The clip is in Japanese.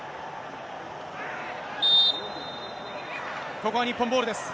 ここは日本ボールです。